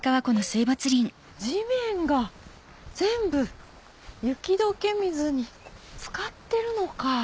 地面が全部雪解け水に漬かってるのか。